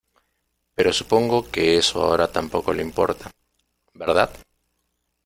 pero supongo que eso ahora tampoco le importa, ¿ verdad?